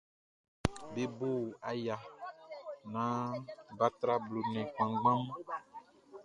Be bo aya naan bʼa tra blo nnɛn kanngan mun.